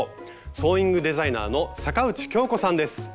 ソーイングデザイナーの坂内鏡子さんです。